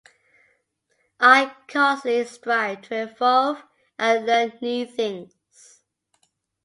I constantly strive to evolve and learn new things.